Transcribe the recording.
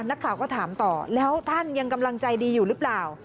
นักข่าวก็ถามต่อแล้วท่านยังกำลังใจดีอยู่หรือเปล่า